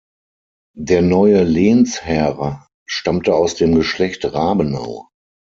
Der neue Lehnsherr stammte aus dem Geschlecht Rabenau.